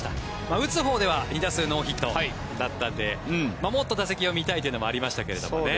打つほうでは２打数ノーヒットだったのでもっと打席が見たいというのもありましたけどね。